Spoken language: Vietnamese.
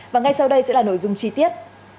và ngay sau đây sẽ là nội dung chi tiết